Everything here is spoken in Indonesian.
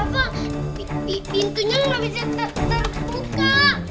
bapak pintunya gak bisa terbuka